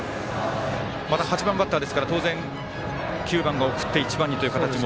また８番バッターですから当然９番が送って１番にという形も。